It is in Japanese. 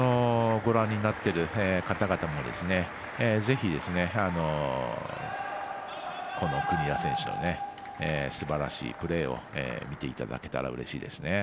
ご覧になっている方々もぜひ、この国枝選手のすばらしいプレーを見ていただけたらうれしいですね。